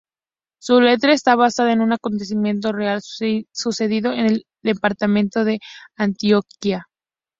Su letra está basada en un acontecimiento real sucedido en el departamento de Antioquia.